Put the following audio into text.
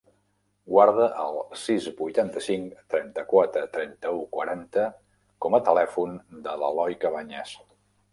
Guarda el sis, vuitanta-cinc, trenta-quatre, trenta-u, quaranta com a telèfon de l'Eloi Cabañas.